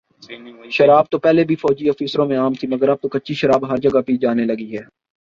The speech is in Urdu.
شراب تو پہلے بھی فوجی آفیسروں میں عام تھی مگر اب تو کچی شراب ہر جگہ پی جانے لگی ہے